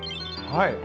はい。